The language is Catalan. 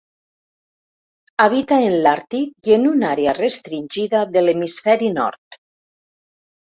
Habita en l'Àrtic i en una àrea restringida de l'hemisferi nord.